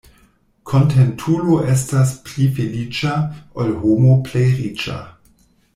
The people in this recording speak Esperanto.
Kontentulo estas pli feliĉa, ol homo plej riĉa.